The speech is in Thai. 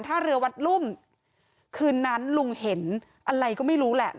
ท่าเรือวัดรุ่มคืนนั้นลุงเห็นอะไรก็ไม่รู้แหละ